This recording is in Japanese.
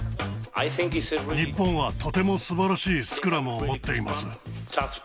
日本はとてもすばらしいスクラムを持っています。